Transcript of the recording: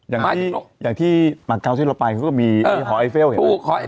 อย่างที่อย่างที่มาเก้าที่เราไปก็มีหอยเป้ลเห็นไหม